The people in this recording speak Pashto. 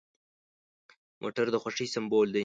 موټر د خوښۍ سمبول دی.